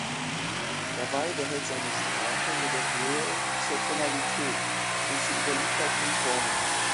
Dabei behält seine Sprache jedoch Nähe zur Tonalität und zu überlieferten Formen.